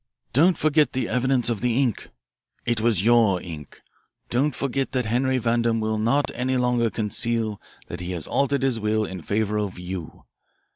Don't forget the evidence of the ink. It was your ink. Don't forget that Henry Vandam will not any longer conceal that he has altered his will in favour of you.